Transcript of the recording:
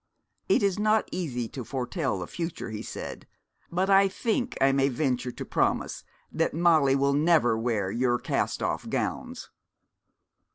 'It is not easy to foretell the future,' he said, 'but I think I may venture to promise that Molly will never wear your cast off gowns.'